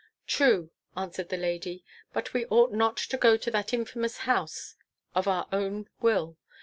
"True," answered the lady: "but we ought not to go to that infamous house of our own will.